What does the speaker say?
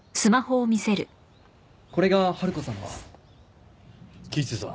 これが春子さんです。